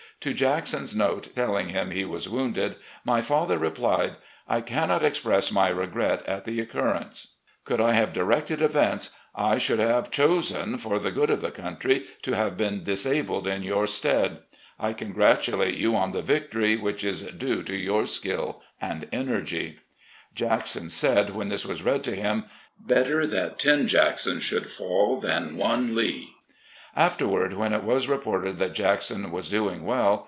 To Jackson's note telling him he was wounded, my father replied; " I cannot express my regret at the occurrence. Could I have directed events, I shotdd have chosen for the good of the country to have been disabled in yotir stead. I ♦"Fighting Joe was Hooker's popular sobriquet in the Federal army. 94 RECOLLECTIONS OF GENERAL LEE congratulate you on the victory, which is due to your skill and energy." Jackson said, when this was read to him, • "Better that ten Jacksons should fall than one Lee." Afterward, when it was reported that Jackson was doing well.